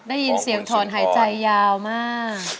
ได้ยินเสียงถอนหายใจยาวมาก